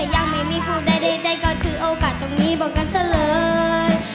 อยากไม่มีพบได้ในใจก็ถือโอกาสตรงนี้บอกกับเธอเลย